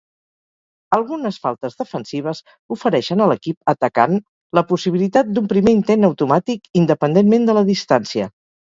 Algunes faltes defensives ofereixen a l'equip atacant la possibilitat d'un primer intent automàtic independentment de la distància.